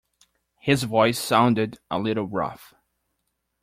His voice sounded a little rough.